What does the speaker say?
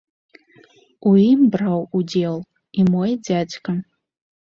У ім браў удзел і мой дзядзька.